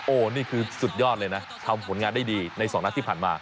โอ้โหนี่คือสุดยอดเลยนะทำผลงานได้ดีในสองนัดที่ผ่านมา